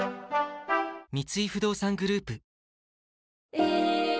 三井不動産グループ